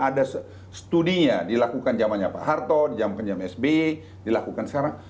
ada studinya dilakukan zamannya pak harto jam jam sby dilakukan sekarang